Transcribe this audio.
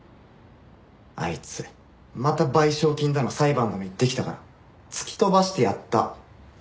あいつまた賠償金だの裁判だの言ってきたから突き飛ばしてやった。